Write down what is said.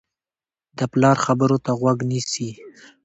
د پلار خبرو ته غوږ نیسي.